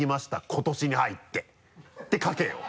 「今年に入って」って書けよ。